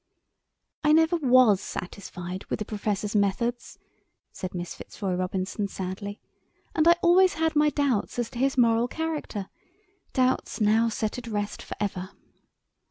"I never was satisfied with the Professor's methods," said Miss Fitzroy Robinson sadly; "and I always had my doubts as to his moral character, doubts now set at rest for ever.